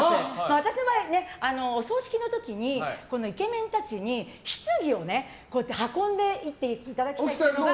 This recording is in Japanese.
私の場合、お葬式の時にイケメンたちにひつぎを運んで行っていただきたいというのが。